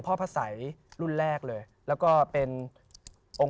พระพุทธพิบูรณ์ท่านาภิรม